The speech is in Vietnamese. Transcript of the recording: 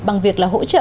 bằng việc là hỗ trợ